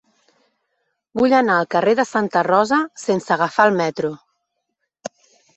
Vull anar al carrer de Santa Rosa sense agafar el metro.